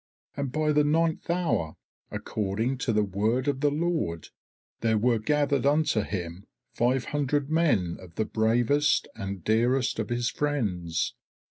And by the ninth hour, according to the word of the Lord, there were gathered unto him five hundred men of the bravest and dearest of his friends.